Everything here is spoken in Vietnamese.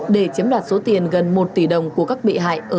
để chiếm đạt số tiền gần một tỷ đồng của các bị